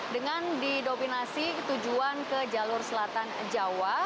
dengan didominasi tujuan ke jalur selatan jawa